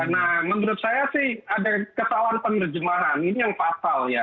nah menurut saya sih ada ketahuan penerjemahan ini yang pasal ya